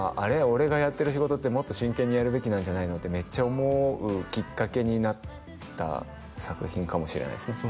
俺がやってる仕事ってもっと真剣にやるべきなんじゃないのってめっちゃ思うきっかけになった作品かもしれないですね